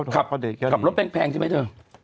ขับรถแพงใช่ไหมเธอ